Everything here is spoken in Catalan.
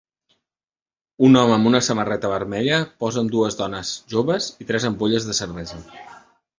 Un home amb una samarreta vermella posa amb dues dones joves i tres ampolles de cervesa.